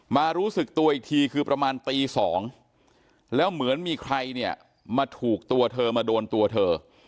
รู้สึกตัวอีกทีคือประมาณตี๒แล้วเหมือนมีใครเนี่ยมาถูกตัวเธอมาโดนตัวเธอ